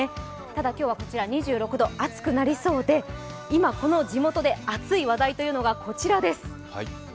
ただ、今日は２６度、暑くなりそうで今、この地元で熱い話題がこちらです。